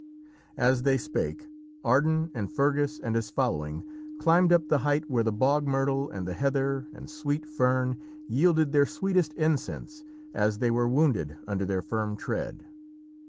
As they spake, Ardan and Fergus and his following climbed up the height where the bog myrtle and the heather and sweet fern yielded their sweetest incense as they were wounded under their firm tread.